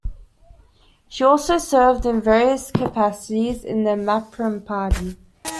She also served in various capacities in the Mapam Party.